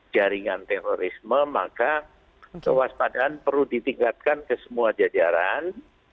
jaringan terorisme maka kewaspadaan perlu ditingkatkan ke semua jajaran